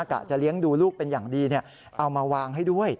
กะจะเลี้ยงดูลูกเป็นอย่างดีเอามาวางให้ด้วย